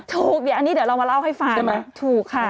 ถูกอย่างนี้เดี๋ยวเรามาเล่าให้ฟังนะถูกค่ะ